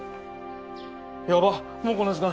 やばっもうこんな時間。